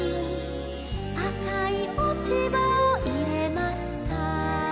「赤い落ち葉を入れました」